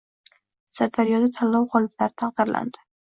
Sirdaryoda tanlov gʻoliblari taqdirlandi